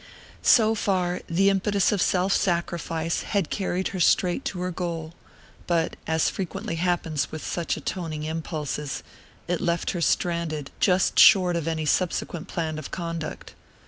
So far, the impetus of self sacrifice had carried her straight to her goal; but, as frequently happens with such atoning impulses, it left her stranded just short of any subsequent plan of conduct.